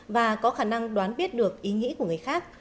và có khả năng đoán biết được ý nghĩ của người khác